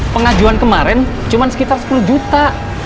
pengajuan kemarin cuma sekitar sepuluh juta